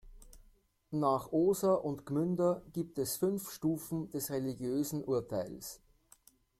Nach Oser und Gmünder gibt es fünf Stufen des "religiösen Urteils".